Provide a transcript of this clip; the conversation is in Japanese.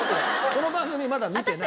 この番組まだ見てない。